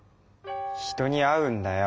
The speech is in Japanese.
人に会うんだよ！